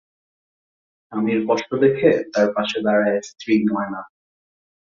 স্বামীর কষ্ট দেখে তার পাশে দাড়ায় স্ত্রী ময়না।